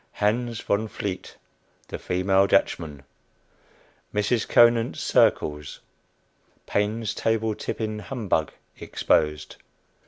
HANS VON VLEET, THE FEMALE DUTCHMAN. MRS. CONANT'S "CIRCLES." PAINE'S TABLE TIPPING HUMBUG EXPOSED.